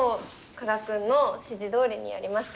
加鹿君の指示どおりにやりました。